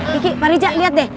kiki pak rija liat deh